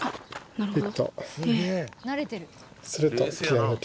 なるほど。